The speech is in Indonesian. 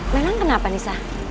memang kenapa nisa